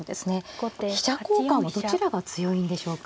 飛車交換はどちらが強いんでしょうか。